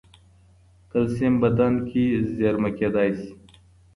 کلسیم بدن کې زېرمه کېدای شي.